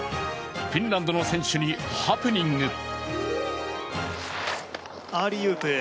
フィンランドの選手にハプニング。